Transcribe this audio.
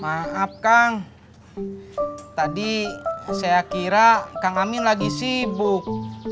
maaf kang tadi saya kira kang amin lagi sibuk